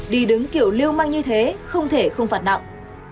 đi đứng kiểu lưu mang như thế không thể không phạt nặng